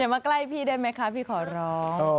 มาใกล้พี่ได้ไหมคะพี่ขอร้อง